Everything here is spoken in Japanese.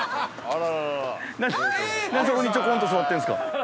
何でそこにちょこんと座ってんですか？